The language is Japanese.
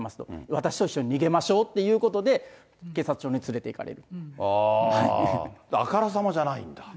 私と一緒に逃げましょうということで、あー、あからさまじゃないんだ。